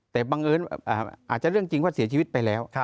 แต่บังเอิญอาจจะเรื่องจริงว่าเสียชีวิตไปแล้ว